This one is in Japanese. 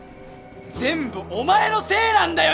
全部お前のせいなんだよ